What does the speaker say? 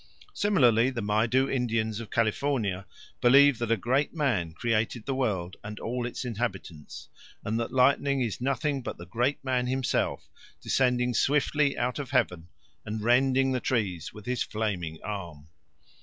Similarly the Maidu Indians of California believe that a Great Man created the world and all its inhabitants, and that lightning is nothing but the Great Man himself descending swiftly out of heaven and rending the trees with his flaming arms.